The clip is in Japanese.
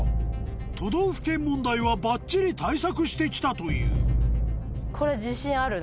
都道府県問題はばっちり対策して来たというはい。